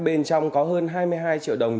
bên trong có hơn hai mươi hai triệu đồng